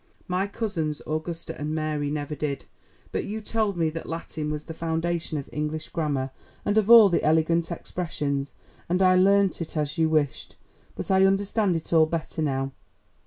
My cousins Augusta and Mary never did, but you told me that Latin was the foundation of English grammar, and of all the elegant expressions, and I learned it as you wished. But I understand it all better now."